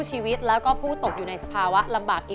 โทษใจโทษใจโทษใจโทษใจโทษใจโทษใจโทษใจโทษใจโทษใจ